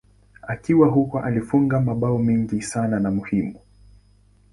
Akiwa huko alifunga mabao mengi sana na muhimu.